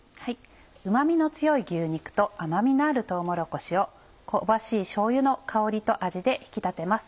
うま味の強い牛肉と甘味のあるとうもろこしを香ばしいしょうゆの香りと味で引き立てます。